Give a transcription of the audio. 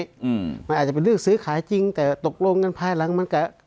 และมันอาจจะเป็นเรื่องซื้อขายจริงแต่ตกโลกเงินภายหลังมั้งกับ